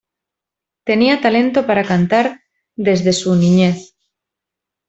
Tenía talento para cantar desde su niñez.